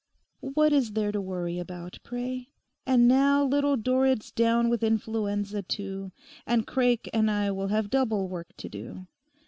What is there to worry about, pray? And now Little Dorrit's down with influenza too. And Craik and I will have double work to do.